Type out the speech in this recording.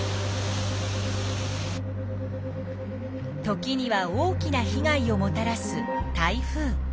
時には大きなひ害をもたらす台風。